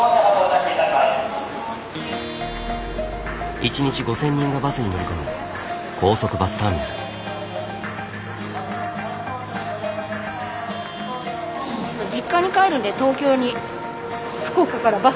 １日５，０００人がバスに乗り込む年末年始のバスターミナルは大混雑。